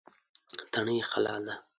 تڼۍ یې خلال ده.